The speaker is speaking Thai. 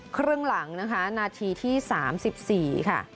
ครึ่งหลังนะคะนาทีที่๓๔ค่ะ